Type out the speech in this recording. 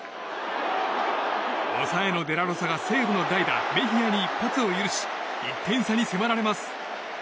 抑えのデラロサが西武の代打メヒアに一発を許し１点差に迫られます。